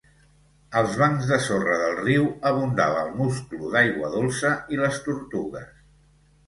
Als bancs de sorra del riu abundava el musclo d'aigua dolça i les tortugues.